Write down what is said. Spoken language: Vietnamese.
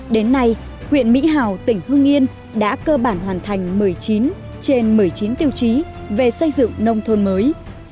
đến nay huyện mỹ hào tỉnh hương yên đã cơ bản hoàn thành một mươi chín trên một mươi chín tiêu chí về xây dựng nông thôn mới